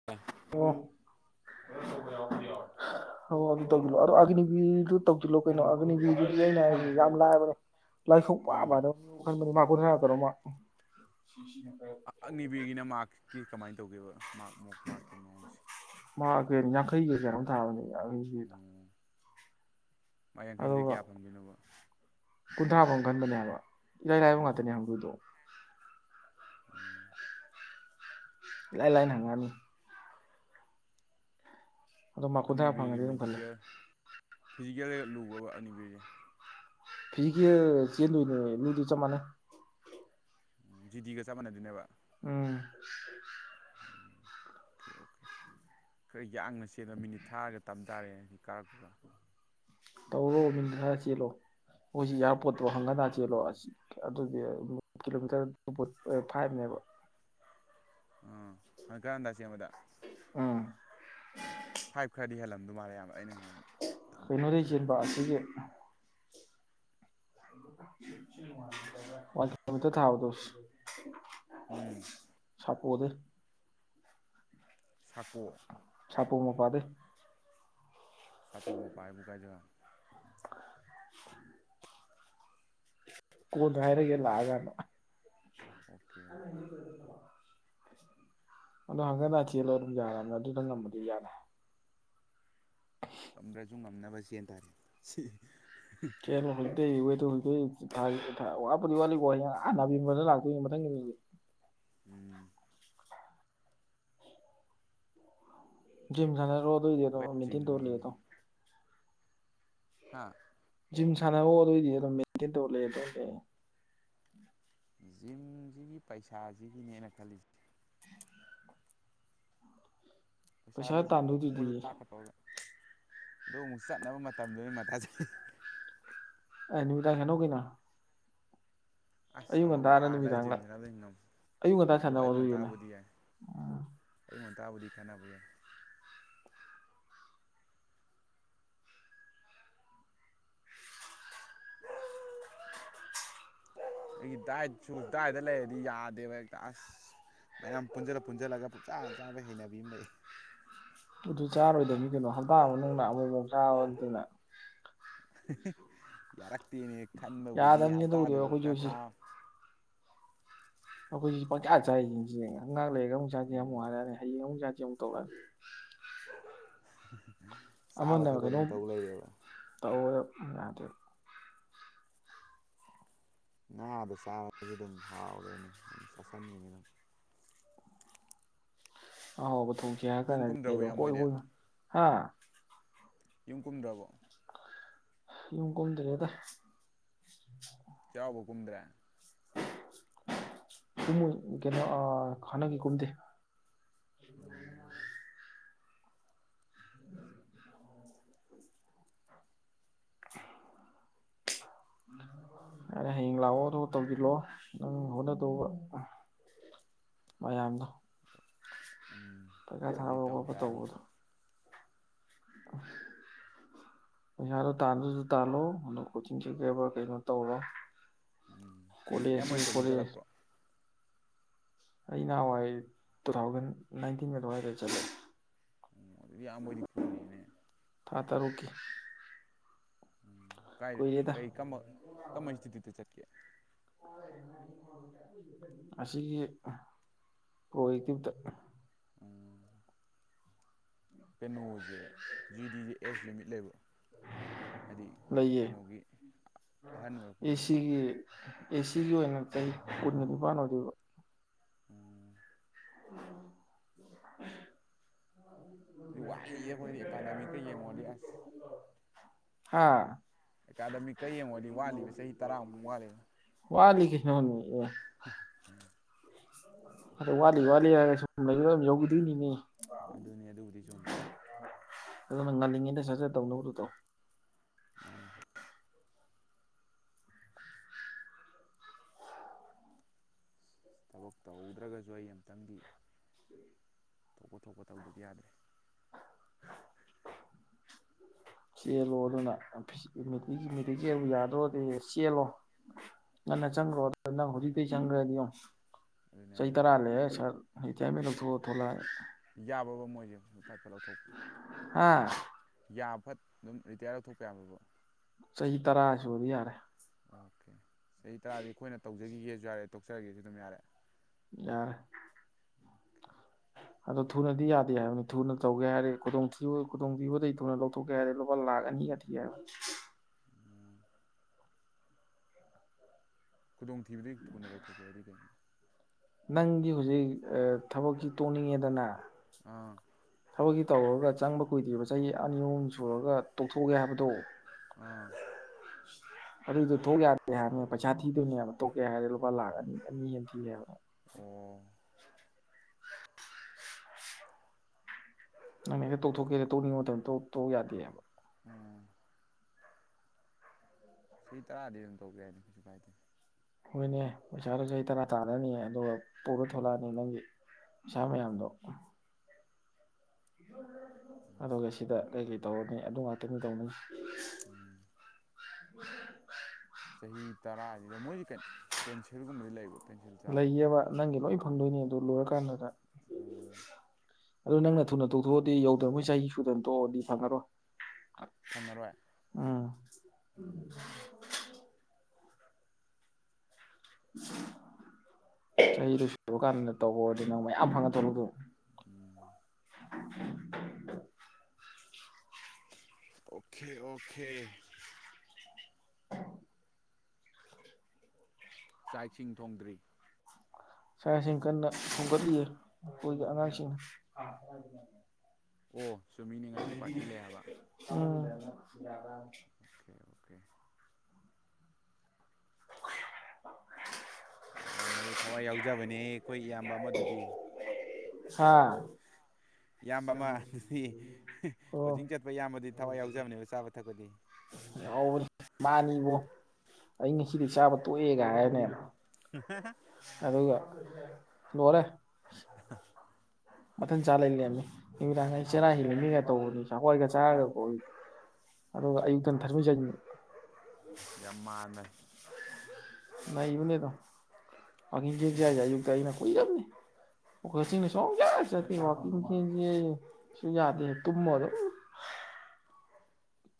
[inaudible] [inaudible] ꯎꯝ [inaudible] ꯑꯒꯅꯤꯚꯤꯔꯒꯤꯅ ꯃꯥꯛꯀꯤ ꯀꯃꯥꯏꯅ ꯇꯧꯒꯦꯕ ꯃꯥꯛ ꯃꯣꯛ ꯃꯛꯀꯤ ꯃꯑꯣꯡꯁꯦ꯫ ꯃꯥꯀꯖꯦ ꯌꯥꯡꯈꯩꯒꯤ ꯀꯩꯅꯣꯝ ꯇꯥꯕꯅꯤ ꯌꯥꯡꯈꯩꯒꯤꯗ꯫ ꯄꯥ ꯌꯥꯡꯈꯩꯁꯤꯗꯤ ꯑꯗꯨꯒ ꯀꯌꯥ ꯐꯪꯗꯣꯏꯅꯣꯕ꯫ ꯀꯨꯟꯊ꯭ꯔꯥ ꯐꯥꯎ ꯈꯟꯕꯅꯦ ꯍꯥꯏꯕ ꯏꯔꯥꯏ ꯂꯥꯏꯕ ꯎꯝ ꯉꯥꯛꯇꯅꯦ ꯍꯪꯗꯨꯣꯏꯗꯣ꯫ [unintelligible] ꯏꯂꯥꯏ ꯂꯥꯏꯅ ꯍꯪꯉꯅꯤ꯫ ꯑꯗꯣ ꯃꯥꯛ ꯀꯨꯟꯊ꯭ꯔꯥ ꯑꯅꯤꯕꯤꯔꯒꯤ ꯐꯪꯉꯗꯤ ꯑꯗꯨꯝ ꯈꯜꯂꯦ ꯃꯦꯗꯤꯀꯦꯜ ꯐꯤꯖꯤꯀꯦꯜꯗꯒ ꯂꯨꯕꯔꯕꯥ ꯑꯅꯤꯕꯤꯔꯁꯦ ꯐꯤ ꯀ [inaudible] ꯆꯦꯟꯣꯏꯏꯅꯤꯗꯨ ꯆ ꯃꯅꯦ ꯎꯝ ꯖꯤꯗꯤꯒ ꯆꯞ ꯃꯥꯟꯅꯗꯣꯢꯅꯦꯕ ꯎꯝ ꯎ [inaudible] ꯑꯣꯀꯦ ꯑꯣꯀꯦ ꯑꯣ ꯈꯔ ꯌꯥꯡꯅ ꯆꯦꯟꯂꯝꯅ ꯃꯤꯅꯤꯠ ꯊꯥꯔꯒ ꯇꯝ ꯇꯥꯔꯦ ꯍꯥꯏꯗꯤ ꯀꯥꯔꯛꯅ ꯇꯧꯔꯣ ꯃꯤꯅꯠ ꯈꯔ ꯆꯦꯜꯂꯣ ꯃꯣꯏꯁꯤ ꯏꯌꯥꯔꯄꯣꯔꯠꯇꯣ ꯍꯥꯡꯒꯠ ꯍꯥꯟꯗ ꯆꯦꯜꯂꯣ ꯎꯝ ꯑꯗꯨꯗꯤ ꯀꯤꯂꯣꯃꯤꯇꯔ ꯇ ꯐꯥꯏꯕꯅꯦꯕ ꯑꯥꯝ ꯍꯥꯟꯒꯠ ꯍꯥꯟꯗ ꯆꯦꯜꯕꯗ ꯎꯝ ꯐꯥꯏꯚ ꯈꯔꯗꯤ ꯍꯦꯜꯂꯝꯗꯧ ꯃꯥꯜꯂꯦ ꯢꯌꯥꯝꯕ ꯑꯩꯅ ꯈꯟꯕꯗ ꯀꯩꯅꯣꯗꯒꯤ ꯆꯦꯟꯕ ꯑꯁꯤꯒꯤ ꯋꯥꯃꯤꯠꯇ ꯊꯕꯗꯁ [inaudible] ꯎꯝ ꯁꯞꯄ ꯑꯣꯗ [inaudible] ꯆꯀꯣ [inaudible] ꯁꯞꯄꯣ ꯃꯄꯥꯗꯩ ꯁꯥꯄꯣ ꯃꯄꯥ ꯍꯥꯏꯕꯨ ꯒꯥꯏꯖꯒꯥꯅꯣ ꯀꯣꯟꯅ ꯍꯥꯏꯔꯒꯦ ꯂꯥꯛꯑꯒꯥꯟꯗ ꯑꯣꯀꯦ ꯑꯣꯀꯦ ꯑꯗꯣ ꯍꯟꯒꯠ ꯍꯥꯟꯗ ꯆꯦꯜꯂꯣ ꯑꯗꯨ ꯉꯥꯝꯃꯗꯤ ꯌꯥꯔꯦ ꯉꯥꯝꯗ꯭ꯔꯁꯨꯨ ꯉꯝꯅꯕ ꯆꯦꯟ ꯇꯥꯔꯦ ꯁꯤ ꯆꯦꯜꯂꯣ ꯍꯧꯖꯤꯛ ꯑꯇꯩꯋꯦꯗ ꯋꯥꯄꯗꯤ ꯋꯥꯠꯂꯤꯀꯣ ꯍꯥꯟꯅꯕꯅ ꯂꯥꯛꯇꯣꯏꯅꯦ ꯃꯊꯪꯒꯤ [inaudible] ꯎꯝ ꯖꯤꯝ ꯁꯥꯟꯅꯔꯛꯑꯣ ꯑꯗꯨ ꯑꯣꯏꯗꯤꯗꯣ ꯋꯦꯠ ꯃꯤꯊꯤꯟ ꯇꯧꯔ ꯆꯤꯡꯕꯁꯤꯅꯤ ꯂꯩꯔꯗꯧ ꯍꯥꯥ ꯖꯤꯝ ꯁꯥꯟꯅꯔꯣ ꯑꯗꯨ ꯑꯣꯏꯗꯤ ꯑꯗꯨꯝ ꯃꯦꯟꯇꯦꯟ ꯇꯧꯔ ꯂꯩꯔꯗꯧꯅꯦ ꯖꯤꯝꯁꯤꯒꯤ ꯄꯩꯁꯥꯁꯤꯒꯤꯅꯦ ꯑꯩꯅ ꯈꯜꯂꯤꯁꯦ ꯄꯩꯁꯥ ꯄꯩꯁꯥꯗꯨꯁꯨ ꯃꯨꯕ ꯇꯥꯟꯗꯣꯏꯗꯨꯗꯤ ꯂꯥꯛꯀ ꯇꯧꯔꯒ ꯑꯗꯣ ꯑꯃꯨꯛ ꯆꯠꯅꯕ ꯃꯇꯝꯗꯨꯅꯤ ꯃꯊꯥ ꯁꯥꯔꯥꯁꯦ ꯑꯦ ꯅꯨꯡꯗꯥꯡ ꯁꯥꯟꯅꯧ ꯀꯩꯅꯣ ꯑꯁ ꯑꯌꯨꯛ ꯊꯕꯛ ꯉꯟꯇꯥꯔ ꯋꯥꯅ ꯍꯟꯂꯛꯑꯒ ꯖꯤꯝ ꯅꯨꯃꯤꯗꯥꯡꯂ ꯁꯥꯟꯅꯕ ꯉꯝꯃꯣꯢ ꯑꯌꯨꯛ ꯉꯟꯇꯥ ꯑꯗꯨ ꯁꯥꯟꯅꯧ ꯑꯌꯨꯛ ꯑꯗꯨꯏꯗꯨꯅ ꯉꯟꯇꯥꯕꯨꯗꯤ ꯌꯥꯏ ꯑꯉꯨꯛ ꯉꯥꯟꯇꯕꯨꯗꯤ ꯈꯟꯅꯕ ꯌꯥꯏ ꯑꯩꯒꯤ ꯗꯥꯏꯠꯁꯨ ꯗꯥꯏꯗ ꯂꯩꯔꯗꯤ ꯌꯥꯗꯦꯕ ꯍꯦꯛꯇ ꯑꯁ ꯃꯌꯥꯝ ꯄꯨꯟꯁꯤꯜꯂ ꯄꯨꯟꯁꯤꯜꯂꯒ ꯄꯨꯨꯡꯆꯥꯗ ꯆꯥꯕ ꯍꯩꯅꯕꯤ ꯑꯃ ꯂꯩ ꯑꯗꯨ ꯆꯥꯔꯣꯏꯗꯕꯅꯤ ꯀꯩꯅꯣ ꯍꯞꯇꯥ ꯑꯃꯒꯤ ꯃꯅꯨꯡꯅ ꯑꯃꯨꯃꯛ ꯆꯕꯥ ꯅꯠꯇꯅ ꯌꯥꯔꯛꯇꯦꯅꯦ ꯈꯟꯕꯕꯨꯗꯤ ꯌꯥꯗꯕꯅꯤ ꯑꯗꯨꯕꯨꯗꯤ ꯍꯞꯇꯥꯗꯨꯃꯛꯇ ꯑꯩꯈꯣꯏꯁꯨ ꯁꯤ ꯊꯥ [inaudible] ꯉꯉꯥꯛ ꯂꯩꯔꯒ ꯑꯃꯨꯛ ꯆꯥꯁꯤꯦ ꯌꯥꯝ ꯎꯝ ꯋꯥꯔꯛꯑꯦ ꯍꯌꯦꯡ ꯑꯃꯨꯛ ꯆꯁꯦ ꯑꯃꯨꯛꯧꯛꯑꯦ ꯆꯥꯕ ꯊꯥꯛꯄ ꯑꯗꯨꯝ ꯇꯧ ꯂꯩꯔꯦꯕ ꯇꯧꯋꯦꯕ ꯌꯥꯗꯦꯕ ꯉꯥꯗ ꯆꯥꯔꯒꯁꯨ ꯑꯗꯨꯝ ꯍꯥꯎꯔꯦꯅꯦ ꯑꯗꯨꯝ ꯆꯥꯥꯁꯟꯕꯅꯤ ꯑꯗꯨꯝ ꯑꯍꯥꯎꯕꯊꯣꯡꯆꯦ ꯍꯥꯏꯔ ꯌꯨꯝ ꯀꯥꯟꯅꯗꯤ [inaudible] ꯀꯨꯝꯗ꯭ꯔꯕꯣ ꯑꯗꯨ ꯏꯌꯥꯝꯕ ꯍꯣꯏ ꯍꯣꯏꯗꯤ ꯍꯣꯏ ꯍꯥ ꯌꯨꯝ ꯀꯨꯝꯗ꯭ꯔꯕꯣ ꯌꯨꯝ ꯀꯨꯝꯗ꯭ꯔꯦꯗ ꯆꯩꯔꯥꯎ ꯀꯨꯝꯗ꯭ꯔꯦ ꯁꯨꯝꯃꯣꯏ [inaudible] ꯀꯩꯅꯣ ꯈꯥꯟꯅꯒꯤ ꯀꯨꯝꯗꯦ ꯎꯝ [inaudible] ꯌꯥꯔꯦ ꯍꯌꯦꯡ ꯂꯥꯛꯑꯣ ꯑꯗꯨꯒ ꯇꯧꯂꯤꯜꯂꯣ ꯅꯪ ꯍꯣꯠꯅꯗꯧꯕ ꯃꯌꯥꯝꯗꯣ ꯎꯝ ꯄꯩꯈꯥ ꯈꯔꯗꯤ ꯊꯥꯕ ꯇꯧ ꯈꯣꯠꯄ ꯇꯥꯔꯤ ꯇꯧꯕꯗꯣ [inaudible] ꯄꯩꯁꯥꯗꯣ ꯇꯥꯟꯗꯁꯨ ꯇꯥꯜꯂꯣ ꯑꯗ ꯀꯣꯆꯤꯡ ꯀꯕꯥ ꯀꯩꯅꯣ ꯇꯧꯔ ꯎꯝ ꯀꯁꯤ ꯏꯌꯥꯝꯕ ꯍꯣꯏ ꯀ ꯀꯣꯆꯤꯡ ꯆꯠꯂꯛꯄ꯭ꯔꯣ ꯑꯩ ꯅꯍꯥꯟꯋꯥꯏ ꯇꯨ ꯊꯥꯎꯖꯟ ꯅꯥꯏꯟꯇꯤꯟ ꯑꯗꯨꯋꯥꯏꯗ ꯆꯠꯂꯦ ꯎ ꯃꯗꯤ ꯌꯥꯝꯕꯗꯤ ꯄꯒꯔꯦꯅꯦ ꯊꯥ ꯇꯔꯨꯛꯀꯤ ꯎꯝ ꯀꯥꯏ ꯀꯨꯏꯔꯦꯗ ꯀꯩ ꯀꯝꯕ ꯀꯝꯕ ꯏꯟꯁꯇꯤꯇ꯭ꯌꯨꯠꯇ ꯆꯠꯀꯦ ꯑꯁꯤꯒꯤ ꯄ꯭ꯔꯣꯌꯦꯦꯛꯇꯤꯞꯇ ꯎꯝ ꯀꯩꯅꯣꯁꯦ G D G S limit ꯂꯩꯕ꯭ꯔꯥ ꯍꯥꯏꯗꯤ ꯂꯩꯌꯦ ꯀꯩꯅꯣꯒꯤ ꯑꯍꯜ ꯑꯣꯏꯔꯛꯄꯒꯤ ꯑꯦꯁꯤꯒꯤ ꯑꯦꯁꯤꯒꯤ ꯑꯣꯏꯅ ꯆꯍꯤ ꯀꯨꯟ ꯅꯤꯄꯥꯟ ꯑꯣꯏꯗꯣꯏꯕ ꯎꯝ ꯎꯝ ꯑꯗꯨ ꯋꯥꯠꯂꯤꯌꯦ ꯑꯩꯈꯣꯏꯗꯤ ꯑꯦꯀꯥꯗꯃꯤꯛꯀ ꯌꯦꯡꯉꯨꯔꯗꯤ ꯑꯁ ꯍꯥꯥ ꯑꯦꯀꯥꯗꯃꯤꯛꯀꯩ ꯌꯦꯡꯉꯨꯔꯒꯗꯤ ꯋꯥꯠꯂꯤꯕ ꯆꯍꯤ ꯇꯔꯥꯃꯨꯛ ꯋꯥꯠꯂꯤꯦꯅ ꯋꯥꯂꯤ ꯀꯁꯣꯅꯤ ꯎꯝ ꯑꯗ ꯋꯥꯠꯂꯤ ꯋꯥꯠꯂꯤ ꯍꯥꯏꯔꯒ ꯁꯨꯝ ꯂꯩ ꯑꯗꯨꯝ ꯌꯧꯈꯤꯗꯣꯏꯅꯤꯅꯦ ꯑꯗꯨꯅꯦ ꯑꯗꯨꯕꯨꯗꯤ ꯆꯨꯝꯕ꯭ꯔꯥ ꯑꯗꯨꯅ ꯉꯜꯂꯤꯉꯩꯗ ꯁꯠꯆ ꯇꯧꯅꯕꯗꯨꯗꯧ ꯃꯥꯅꯤ ꯊꯕꯛ ꯇꯧꯍꯧꯗ꯭ꯔꯒꯁꯨ ꯑꯩ ꯑꯃꯝꯨꯛꯇꯪꯗꯤ ꯊꯣꯛꯄ ꯊꯣꯛꯄ ꯇꯧꯗꯗꯤ ꯌꯥꯗ꯭ꯔꯦ ꯆꯦꯜꯂꯣ ꯑꯗꯨꯅꯤ ꯃꯤꯦꯇꯤ ꯆꯦꯜ ꯌꯥꯗ꯭ꯔꯣꯗꯤ ꯆꯦꯜꯂꯣ ꯅ ꯅ ꯆꯪ꯭ꯔꯣ ꯅꯪ ꯍꯧꯖꯤꯛꯗꯤ ꯆꯪꯒ꯭ꯔꯗꯤꯣ ꯑꯗꯨꯅꯦ ꯆꯍꯤ ꯍꯥꯏꯁꯦ ꯇꯔꯥ ꯂꯩꯦ ꯁꯔ ꯏꯇ ꯃꯣ ꯊ ꯊꯣꯛꯂ ꯌꯥꯕꯕ ꯃꯣꯏꯁꯦꯄꯥꯥꯏ ꯐ ꯂꯧꯊꯣꯛꯄ ꯑꯝ ꯌꯥꯐꯠ ꯑꯗꯨꯝ ꯔꯤꯇꯥꯌꯥꯔ ꯂꯧꯧꯊꯣꯛꯄ ꯌꯥꯕꯕꯣ ꯆꯍꯤ ꯇꯔꯥ ꯁꯕꯗꯤ ꯌꯥꯔꯦ ꯑꯣꯀꯦ ꯆꯍꯤ ꯇꯔꯥꯗꯤ ꯑꯩꯈꯣꯏꯅ ꯇꯧꯖꯈꯤꯒꯦꯁꯨ ꯌꯥꯔꯦ ꯇꯣꯛꯆꯔꯒꯦꯁꯨ ꯑꯗꯨꯝ ꯌꯥꯔꯦ ꯑ ꯑꯗꯣ ꯊꯨꯅꯗꯤ ꯌꯥꯗꯦ ꯍꯥꯏꯕꯅꯤ ꯊꯨꯅ ꯇꯧꯒꯦ ꯍꯥꯏꯔꯦ ꯈꯨꯗꯣꯡꯊꯤꯕ ꯈꯨꯗꯣꯡꯊꯤꯕꯗꯩ ꯊꯨꯅ ꯂꯧ ꯇ ꯀꯦ ꯍꯥꯏꯔꯗꯤ ꯂꯨꯄꯥ ꯂꯥꯛꯀꯅꯤꯒꯗꯤ ꯍꯥꯏ ꯎꯝ ꯈꯨꯗꯣꯡꯊꯤꯕꯗꯒꯤ ꯊꯨꯅ ꯂꯧꯊꯣꯛꯀꯦ ꯍꯥꯏꯗꯤ ꯀꯩꯅꯣ ꯅꯪꯒꯤ ꯍꯧꯖꯤꯛ ꯊꯕꯛꯁꯤ ꯇꯣꯡꯅꯤꯡꯉꯦꯗꯅ ꯑꯥ ꯊꯕꯛꯀꯤ ꯇꯧꯔꯨꯔꯒ ꯆꯪꯕ ꯀꯨꯏꯗ꯭ꯔꯤꯕ ꯆꯍꯤ ꯑꯅꯤ ꯑꯍꯨꯝ ꯁꯨꯔꯒ ꯇꯣꯛꯊꯣꯛꯒꯦ ꯍꯥꯏꯕꯗꯣ ꯑꯥ ꯑꯗ ꯊꯒꯗ ꯍꯥꯏ ꯄꯩꯁꯥ ꯊꯗꯅꯦꯕ ꯇꯣꯛꯀꯦ ꯍꯥꯏꯔꯗꯤ ꯂꯨꯄꯥ ꯂꯥꯛ ꯑꯅꯤ ꯑꯅꯤ ꯍꯦꯟ ꯊꯤꯑ ꯍꯥꯏꯕꯅꯣ ꯑꯣ ꯅꯪ ꯍꯦꯛꯇ ꯇꯧꯊꯣꯛꯀꯦꯗ ꯇꯧꯅꯤꯡꯕ ꯃꯇꯝꯗ ꯇꯣꯛ ꯌꯥꯗꯦꯕ ꯎꯝ ꯐꯔꯤ ꯇꯔꯥꯗꯤ ꯑꯗꯨꯝ ꯇꯧ ꯌꯥꯏꯅꯤ ꯀꯩꯁꯨ ꯀꯥꯏꯗꯦ ꯍꯣꯏꯅꯦ ꯄꯩꯁꯥꯗꯨꯣ ꯆꯍꯤ ꯇꯔꯥ ꯇꯥꯅꯅꯤ ꯑꯗꯨꯒ ꯄꯨꯔ ꯎꯝ ꯊꯣꯛꯂꯛꯑꯅꯤ ꯅꯪꯒꯤ ꯁꯥ ꯃꯌꯥꯝꯗꯣ ꯑꯗꯨꯒ ꯁꯤꯗ ꯀꯩꯀꯩ ꯇꯧꯔꯅꯤ ꯑꯗꯨ ꯉꯥꯛꯇꯅꯤ ꯇꯧꯅꯤ ꯎꯝ ꯆꯍꯤ ꯇꯔꯥꯁꯤꯗ ꯃꯣꯏꯁꯤ ꯀꯩꯅꯣ ꯄꯦꯟꯁꯤꯜꯒꯨꯝꯕꯗ ꯂꯩꯕ ꯂꯩꯌꯦꯕ ꯅꯪꯒꯤ ꯂꯣꯏ ꯐꯪꯗꯣꯏꯅꯦ ꯑꯗꯨ ꯂꯣꯏꯔꯀꯥꯟꯗꯨꯗ ꯎꯝ ꯑꯗꯨꯗꯣ ꯅꯪꯅ ꯊꯨꯅ ꯇꯣꯛꯊꯣꯛꯑꯗꯤ ꯌꯧꯗ꯭ꯔꯉꯩ ꯆꯍꯤ ꯁꯨꯗꯅ ꯇꯣꯛꯑꯗꯤ ꯐꯪꯉꯔꯣꯏ ꯐꯪꯉꯔꯣꯏ ꯎꯝ ꯎꯝ ꯆꯍꯤꯗꯨꯣ ꯁꯨꯔ ꯀꯥꯟꯗ ꯇꯧꯕꯔꯗꯤ ꯅꯪ ꯃꯌꯥꯝ ꯐꯪꯉ ꯊꯧꯗꯣ ꯎꯝ ꯑꯣꯀꯦ ꯑꯣꯀꯦ ꯆꯥꯛ ꯏꯁꯤꯡ ꯊꯣꯡꯗ꯭ꯔꯤ ꯁꯥ ꯁꯟ ꯀꯟꯅ ꯊꯣꯝꯒꯠꯂꯤꯑ ꯑꯩꯈꯣꯏꯒꯤ ꯑꯉꯥꯡꯁꯤꯡꯅ ꯑꯣ ꯆꯨꯝꯃꯤꯅꯦ ꯉꯁꯤ ꯄꯥꯔꯇꯤ ꯂꯩ ꯍꯥꯏꯕ ꯎꯝ ꯌꯥ ꯑꯣꯀꯦ ꯑꯣꯀꯦ ꯆꯥꯕꯅꯦꯍꯦ ꯊꯋꯥꯏ ꯌꯥꯎꯖꯕꯅꯦꯍꯦ ꯑꯩꯈꯣꯏ ꯏꯌꯥꯝꯕ ꯑꯃꯗꯨꯗꯤ ꯍꯥꯥ ꯏꯌꯥꯝꯕ ꯑꯃ ꯑꯗꯨꯗꯤ ꯑꯣ ꯀꯣꯆꯤꯡ ꯆꯠꯄ ꯏꯌꯥꯝꯕꯗꯤ ꯊꯋꯥꯏ ꯌꯥꯎꯖꯕꯅꯦꯕ ꯆꯥꯕ ꯊꯛꯄꯗꯤ ꯌꯥꯎꯕꯅꯤ ꯃꯥꯅꯤꯕꯨꯣ ꯑꯩ ꯉꯁꯤꯗꯤ ꯆꯥꯕ ꯇꯣꯛꯑꯦꯒ ꯍꯥꯏꯔꯅꯦꯕ ꯑꯍꯥꯕꯥ ꯑꯗꯨꯒ ꯂꯣꯏꯔꯦ ꯃꯊꯟ ꯆꯥ ꯂꯩ ꯂꯩꯦꯝꯃꯤ ꯅꯨꯃꯤꯗꯥꯡ ꯆꯦꯔꯥ ꯃꯥ ꯍꯕ ꯃꯤꯒ ꯇꯧꯕꯅꯤ ꯆꯈꯣꯏꯒ ꯆꯥꯔꯒ ꯀ ꯑꯗꯨꯒ ꯑꯌꯨꯛꯇꯪ ꯊꯔꯃꯤꯖꯅꯤ ꯌꯥꯝ ꯃꯥꯡꯃꯦ ꯅꯕꯨꯅꯦꯗ ꯃꯥ ꯍꯥꯏꯖꯏ ꯌ ꯇꯏꯅ ꯀꯣꯏ ꯌꯥꯕꯅꯤ ꯈꯣꯏꯁꯤꯡꯅ ꯁ ꯆꯠꯇꯦ ꯋꯥꯋꯥꯛꯀꯤꯡ ꯆꯁꯦ ꯁꯁꯨ ꯌꯥꯗꯦ ꯇꯨꯝꯃꯗꯣ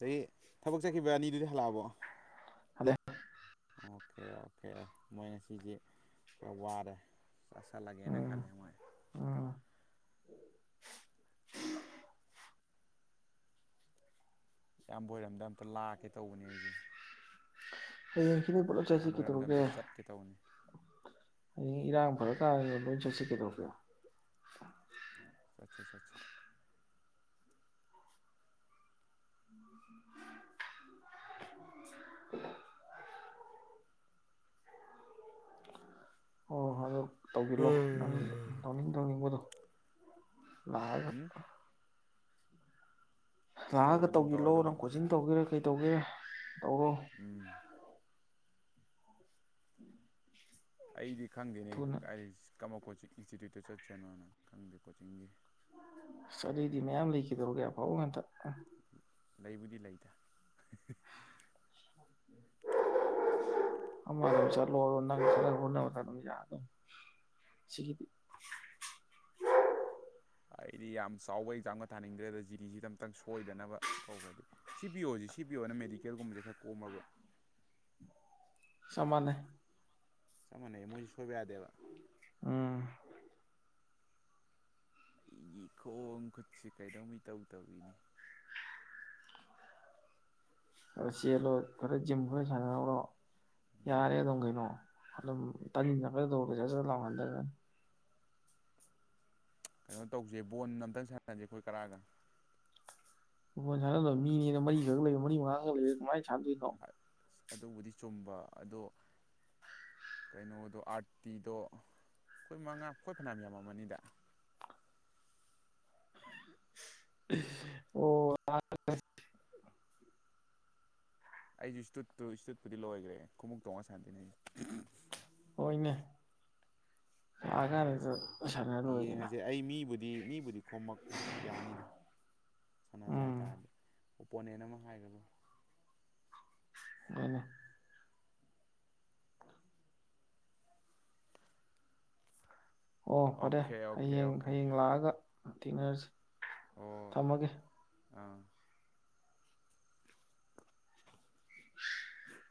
ꯑꯗꯒꯤ ꯊꯕꯛ ꯆꯠꯈꯤꯕ ꯑꯅꯤꯗꯨꯗꯤ ꯍꯜꯂꯛꯑꯕꯣ ꯍꯜꯂꯛꯑꯦ ꯑꯣꯀꯦ ꯑꯣꯀꯦ ꯃꯣꯏꯅ ꯁꯤꯁ ꯀꯌꯥ ꯋꯥꯔꯦ ꯆ ꯆꯥ ꯂꯥꯛꯦ ꯈꯜꯦ ꯃꯥꯏ ꯑꯥ ꯌꯥꯝꯕꯣꯏꯔꯝꯗ ꯑꯝꯇ ꯂꯥꯛꯀꯦ ꯇꯧꯕꯅꯦ ꯑꯩꯁꯦ ꯍ ꯌꯦꯡꯁꯤꯅꯦ ꯄꯣꯠꯂꯣ ꯆꯁꯤ ꯀꯗꯧꯔꯛꯒꯦ ꯀꯦꯇꯧꯅꯤ ꯍꯌꯦꯡ ꯏꯔꯥꯡ ꯐꯔꯀꯥꯟꯗ ꯂꯣꯏ ꯆꯠꯁꯤꯀꯦ ꯇꯧꯕꯁꯔꯣ ꯆꯠꯆꯥ ꯆꯠꯦ ꯅꯤ ꯕꯣꯏꯔ ꯇꯧꯕꯤꯜꯂꯣ ꯅ ꯇꯧꯅꯤꯡ ꯇꯧꯅꯤꯡꯕꯗꯣ ꯂꯥꯛꯑꯒ ꯎꯝ ꯂꯥꯛꯑꯒ ꯇꯧꯔ ꯑꯗꯨꯝ ꯇꯧꯔ ꯇꯧꯤꯂꯣ ꯑꯗꯨꯝ ꯅꯪ ꯀꯣꯆꯤꯡ ꯇꯧꯒꯦꯔꯥ ꯀꯩ ꯇꯧꯒꯦꯔꯥ ꯇꯧꯔꯣ ꯎꯝ ꯑꯩꯗꯤ ꯈꯪꯗꯦꯅꯦ ꯊꯨꯅ ꯀ ꯀꯃ ꯀꯣꯆꯤꯡ ꯏꯟꯁꯇꯤꯇ꯭ꯌꯨꯠꯇ ꯆꯠꯁꯦꯅꯣꯅ ꯈꯪꯗꯦ ꯀꯣꯆꯤꯡꯗꯤ ꯑꯁ ꯑꯗꯨꯗꯏꯗꯤ ꯃꯌꯥꯝ ꯂꯩꯈꯤꯗꯧꯒꯌꯥ ꯐꯥꯎ ꯉꯟꯇ ꯂꯩꯕꯨꯗꯤ ꯂꯩꯗ [unintelligible] [unintelligible] ꯆꯠꯂꯣ [unintelligible] ꯑꯗꯨꯁꯤꯒꯤꯗꯤ ꯍꯥꯏꯗꯤ ꯌꯥꯝ ꯆꯥꯎꯕ ꯑꯦꯛꯖꯥꯝꯒ ꯊꯥꯅꯤꯡꯗ꯭ꯔꯦꯗ ꯖꯤꯔꯤꯁꯤꯗ ꯑꯝꯇꯪ ꯁꯣꯏꯗꯅꯕ ꯇꯧꯒ꯭ꯔꯗꯤ꯫ ꯁꯤ ꯕꯤ ꯑꯣꯖꯦ ꯁꯤ ꯕꯤ ꯑꯣꯅ ꯃꯦꯗꯤꯀꯦꯜꯒꯨꯝꯕꯁꯦ ꯈꯔ ꯀꯣꯝꯕꯔꯕ ꯆꯞ ꯃꯥꯟꯅꯩ꯫ ꯆꯞ ꯃꯥꯟꯅꯩ ꯃꯣꯏꯁꯨ ꯁꯣꯏꯕ ꯌꯥꯗꯦꯕ꯫ ꯑ ꯑꯩꯒꯤ ꯈꯣꯡ ꯈꯨꯠꯁꯤ ꯀꯩꯅꯣꯝ ꯢꯇꯧ ꯇꯧꯏꯅꯦ꯫ ꯈꯔ ꯆꯦꯜꯂꯣ ꯈꯔ ꯖꯤꯝ ꯈꯔ ꯁꯥꯟꯅꯍꯧꯔꯣ ꯌꯥꯔꯦ ꯑꯗꯨꯝ ꯀꯩꯅꯣ꯫ ꯑꯗꯨꯝ [unintelligible] ꯀꯩꯅꯣ ꯇꯧꯖꯦ ꯕꯣꯟ ꯑꯝꯇꯪ ꯁꯥꯟꯅꯔꯖꯦ ꯑꯩꯈꯣꯏ ꯇꯔꯥꯒ꯫ ꯐꯨꯕꯣꯜ ꯁꯥꯟꯅꯗꯧ ꯃꯤꯅꯦꯅ ꯃꯔꯤꯈꯛ ꯂꯩꯔꯦ ꯃꯔꯤꯃꯉꯥ ꯈꯛ ꯂꯩꯔꯦ ꯀꯃꯥꯏꯅ ꯁꯥꯟꯅꯗꯣꯏꯅꯣ꯫ ꯑꯗꯨꯕꯨꯗꯤ ꯆꯨꯝꯕ ꯑꯗꯣ ꯀꯩꯅꯣꯗꯣ ꯑꯥꯔꯇꯤꯗꯣ ꯑꯩꯈꯣꯏ ꯃꯉꯥ ꯑꯩꯈꯣꯏ ꯐꯅꯌꯥꯝ ꯌꯥꯝꯃꯝꯃꯅꯤꯗ꯫ ꯑꯣ [unintelligible] ꯑꯩꯖꯨ ꯏꯁꯇꯨꯠꯇꯨ ꯏꯁꯇꯨꯠꯄꯨꯗꯤ ꯂꯣꯏꯒ꯭ꯔꯦ ꯈꯣꯉꯨꯞ ꯇꯣꯡꯉ ꯁꯥꯟꯗꯣꯏꯅꯦ꯫ ꯍꯣꯏꯅꯦ [unintelligible] ꯂꯣꯏꯔꯦꯗꯅ ꯌꯦꯡꯉꯖꯦ ꯑꯩ ꯃꯤꯕꯨꯗꯤ ꯃꯤꯕꯨꯗꯤ ꯈꯣꯝꯃꯛ ꯌꯥꯅꯤꯗ꯫ ꯁꯥꯟꯅꯖꯩ ꯎꯝ ꯍꯥꯏꯇꯥꯥꯔꯗꯤ ꯑꯣꯄꯣꯅꯦꯟ ꯑꯃ ꯍꯥꯏꯔꯒ꯫ [unintelligible] ꯑꯣ ꯐꯔꯦ ꯑꯣꯀꯦ ꯑꯣꯀꯦ ꯍꯌꯦꯡ ꯑꯣꯀꯦ ꯍꯌꯦꯡ ꯂꯥꯛꯑꯒ ꯊꯦꯡꯅꯔꯁꯤ ꯍꯣꯏ ꯊꯝꯃꯒꯦ꯫ ꯑꯥ [unintelligible]